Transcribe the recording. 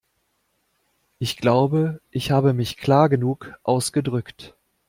Ich glaube, ich habe mich klar genug ausgedrückt.